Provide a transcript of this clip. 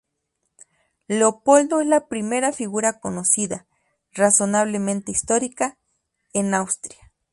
Leopoldo es la primera figura conocida, razonablemente histórica, en Austria.